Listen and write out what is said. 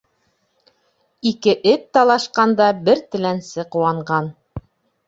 Ике эт талашҡанда бер теләнсе ҡыуанған.